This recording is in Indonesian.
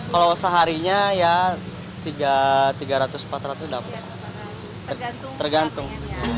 kalau seharinya ya tiga ratus empat ratus tergantung